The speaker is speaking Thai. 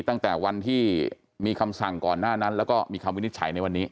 ตั้งแต่วันที่มีคำสั่งก่อนหน้านั้นแล้วก็มีคำวินิจฉัยในวันนี้